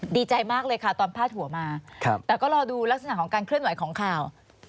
ดีใจมากเลยค่ะตอนพาดหัวมาแต่ก็รอดูลักษณะของการเคลื่อนไหวของข่าว